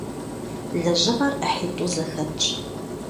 Лэжьыгъэр ӏыхьитӏу зэхэтщ.